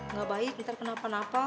ngga baik ntar kenapa kenapa